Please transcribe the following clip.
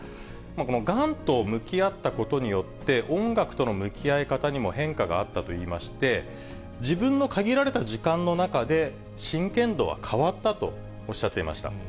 このがんと向き合ったことによって、音楽との向き合い方にも変化があったといいまして、自分の限られた時間の中で、真剣度は変わったとおっしゃっていました。